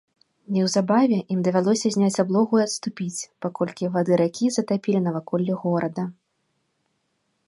Неўзабаве ім давялося зняць аблогу і адступіць, паколькі вады ракі затапілі наваколлі горада.